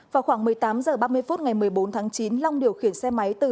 vào khoảng một mươi tám h ba mươi phút ngày một mươi bốn tháng chín long điều khiển xe máy từ